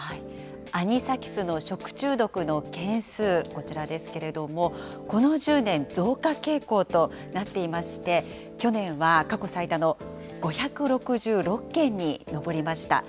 アニサキスの食中毒の件数、こちらですけれども、この１０年、増加傾向となっていまして、去年は過去最多の５６６件に上りました。